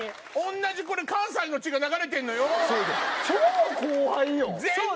同じ関西の血が流れてんのよ